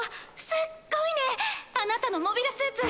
すっごいねあなたのモビルスーツ！